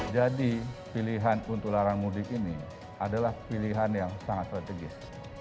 jadi pilihan untuk larang mudik ini adalah pilihan yang sangat strategis